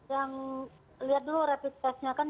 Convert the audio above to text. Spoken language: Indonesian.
yang lihat dulu rapid testnya kan